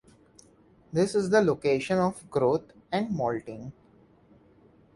This is the location of growth and molting.